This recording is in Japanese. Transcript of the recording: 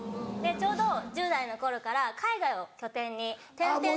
ちょうど１０代の頃から海外を拠点に転々と。